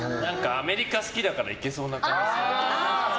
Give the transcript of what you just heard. アメリカ好きだからいけそうな感じ。